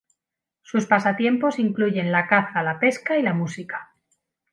Sus pasatiempos incluyen la caza, la pesca y la música.